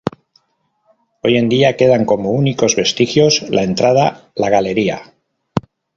Hoy en día quedan como únicos vestigios la entrada la galería.